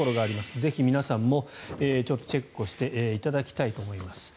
ぜひ皆さんもチェックしていただきたいと思います。